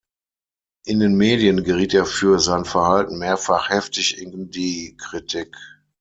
In den Medien geriet er für sein Verhalten mehrfach heftig in die Kritik.